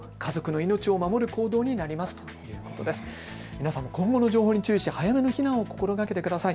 皆さんも今後の情報に注意して早めの避難を心がけてください。